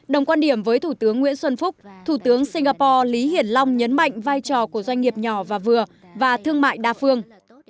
đồng quan điểm với thủ tướng nguyễn xuân phúc thủ tướng singapore lý hiển long nhấn mạnh vai trò của doanh nghiệp nhỏ và vừa và thương mại đa phương